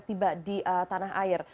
tiba di tanah air